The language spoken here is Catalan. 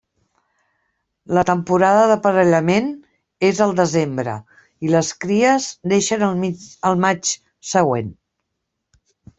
La temporada d'aparellament és al desembre i les cries neixen al maig següent.